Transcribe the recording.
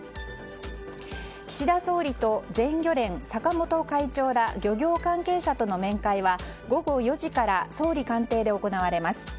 岸田総理と全漁連・坂本会長ら漁業関係者との面会は午後４時から総理官邸で行われます。